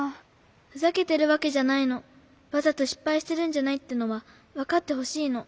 ふざけてるわけじゃないの。わざとしっぱいしてるんじゃないってのはわかってほしいの。